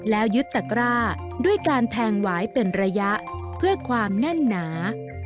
แล้วยึดตะกร้าด้วยการแทงหวายเป็นระยะเพื่อความแน่นหนา